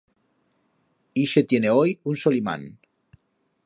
Ixe tiene hoi un solimán.